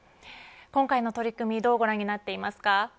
今回の取り組みどうご覧になっていますか。